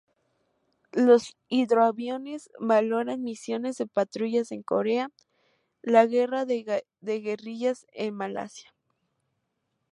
Los hidroaviones volaron misiones de patrulla en Corea, la guerra de guerrillas en Malasia.